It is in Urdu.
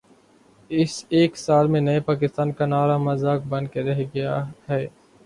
اس ایک سال میں نئے پاکستان کا نعرہ مذاق بن کے رہ گیا ہے۔